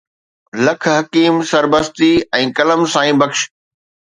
لک حڪيم سربستي ۽ ڪلم سائين بخش